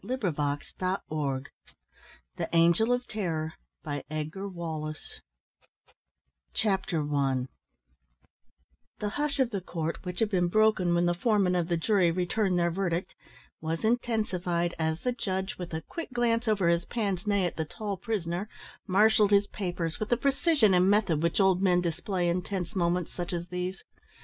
London, Reading and Fakenham The Angel of Terror Chapter I The hush of the court, which had been broken when the foreman of the jury returned their verdict, was intensified as the Judge, with a quick glance over his pince nez at the tall prisoner, marshalled his papers with the precision and method which old men display in tense moments such as these.